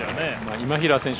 今平選手